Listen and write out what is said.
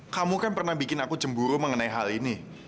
kamu kan pernah bikin aku cemburu mengenai hal ini